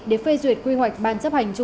để phê duyệt quy hoạch ban chấp hành